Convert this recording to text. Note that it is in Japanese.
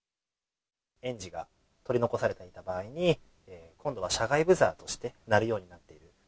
園児が取り残されていた場合に、今度は車外ブザーとして鳴るようになっています。